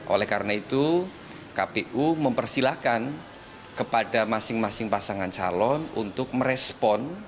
oleh karena itu kpu mempersilahkan kepada masing masing pasangan calon untuk merespon aspirasi dan harapan ikatan dai aceh